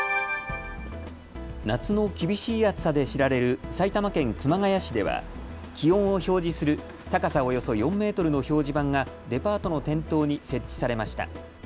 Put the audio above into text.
夏の厳しい暑さで知られる埼玉県熊谷市では気温を表示する高さおよそ４メートルの表示板がデパートの店頭に設置されました。